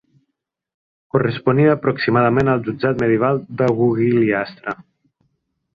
Corresponia aproximadament al Jutjat medieval d'Agugliastra.